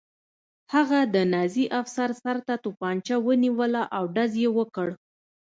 هغه د نازي افسر سر ته توپانچه ونیوله او ډز یې وکړ